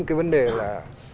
cái vấn đề là